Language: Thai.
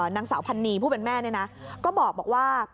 นางสาวพันนีผู้เป็นแม่นี่นะ